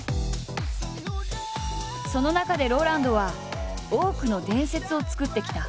その中でＲＯＬＡＮＤは多くの伝説を作ってきた。